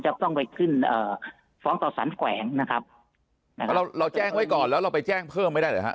จะต้องไปขึ้นเอ่อฟ้องต่อสารแขวงนะครับเราเราแจ้งไว้ก่อนแล้วเราไปแจ้งเพิ่มไม่ได้เหรอฮะ